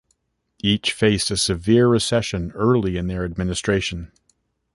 Each faced a severe recession early in their administration.